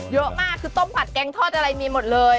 เยอะมากคือต้มผัดแกงทอดอะไรมีหมดเลย